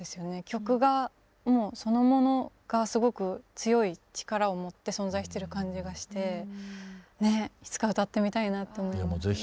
曲がもうそのものがすごく強い力を持って存在してる感じがしてねっいつか歌ってみたいなと思います。